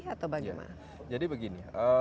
atau bagaimana jadi begini